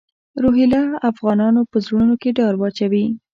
د روهیله افغانانو په زړونو کې ډار واچوي.